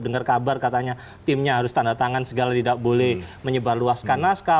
dengar kabar katanya timnya harus tanda tangan segala tidak boleh menyebarluaskan naskah